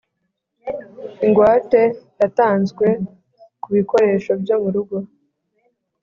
Ingwate yatanzwe ku bikoresho byo mu rugo